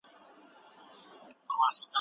آیا ښوونځی د ټولنیزې روزنې ځای دی؟